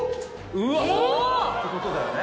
うわっ！ってことだよね？